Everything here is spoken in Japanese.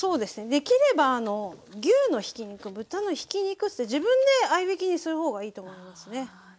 できれば牛のひき肉豚のひき肉って自分で合いびきにする方がいいと思いますね。